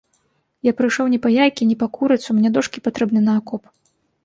Я прыйшоў не па яйкі, не па курыцу, мне дошкі патрэбны на акоп.